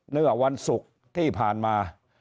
เมื่อวันศุกร์ที่ผ่านมา